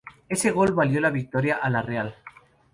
Ese gol valió la victoria a la Real.